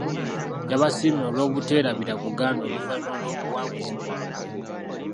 Yabasiimye olw'obuteerabira Buganda oluvannyuma lw'obuwanguzi bwabwe.